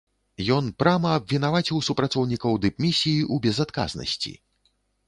Ён прама абвінаваціў супрацоўнікаў дыпмісіі ў безадказнасці.